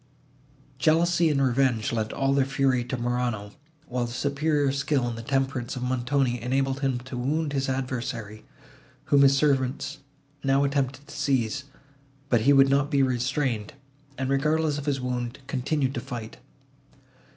Jealousy and revenge lent all their fury to Morano, while the superior skill and the temperance of Montoni enabled him to wound his adversary, whom his servants now attempted to seize, but he would not be restrained, and, regardless of his wound, continued to fight.